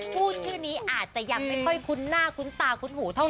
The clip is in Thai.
พูดชื่อนี้อาจจะยังไม่ค่อยคุ้นหน้าคุ้นตาคุ้นหูเท่าไ